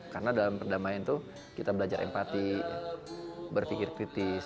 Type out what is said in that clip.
karena dalam perdamaian itu kita belajar empati berpikir kritis